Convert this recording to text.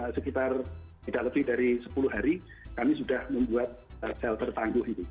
cukup sekitar tidak lebih dari sepuluh hari kami sudah membuat sel tertangguh ini